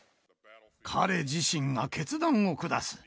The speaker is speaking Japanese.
彼自身が決断を下す。